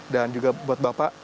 dan juga buat bapak